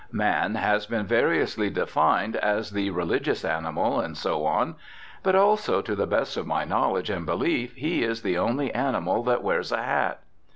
Man has been variously defined, as the religious animal, and so on; but also, to the best of my knowledge and belief, he is the only animal that wears a hat.